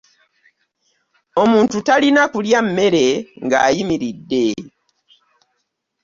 Omuntu talina kulya mmeere nga ayimiridde.